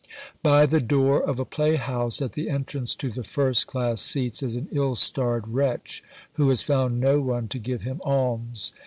By the door of a play house, at the entrance to the first class seats, is an ill starred wretch who has found no one to give him alms.